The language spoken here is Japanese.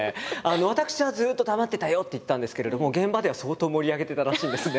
私は「ずっと黙ってたよ」って言ってたんですけれども現場では相当盛り上げてたらしいんですね。